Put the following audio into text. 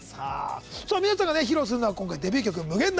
皆さんが披露するのはデビュー曲の「無限大」。